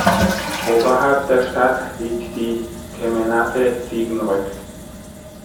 Oberhalb der Stadt liegt die Kemenate Ziegenrück.